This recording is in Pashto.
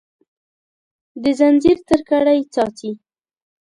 د ځنځیر تر کړۍ څاڅي